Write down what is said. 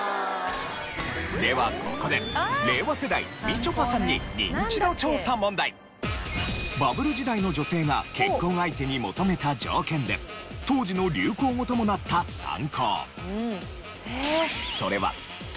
ではここで令和世代みちょぱさんにバブル時代の女性が結婚相手に求めた条件で当時の流行語ともなった３高。